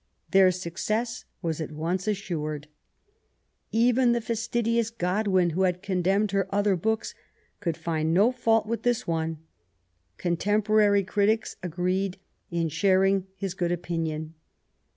Their success was at once assured. Even the fastidious. Godwin, who had condemned her other books, could find no fault with this one. ^Contemporary critics, agreed in sharing his good opinion.